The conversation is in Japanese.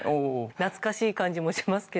懐かしい感じもしますけど。